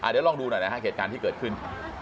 เดี๋ยวลองดูหน่อยนะฮะเหตุการณ์ที่เกิดขึ้น